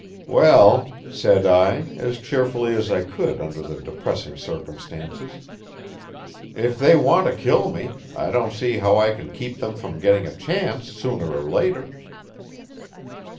"Well," said I, as cheerfully as I could under the depressing circumstances, "if they want to kill me, I don't see how I can keep them from getting a chance sooner or later."